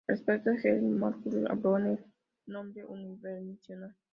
Al respecto Herbert Marcuse habló de "El hombre unidimensional".